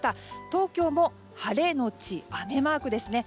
東京も晴れのち雨マークですね。